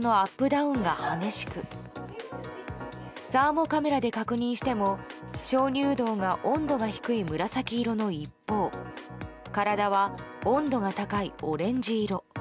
ダウンが激しくサーモカメラで確認しても鍾乳洞が温度が低い紫色の一方体は温度が高いオレンジ色。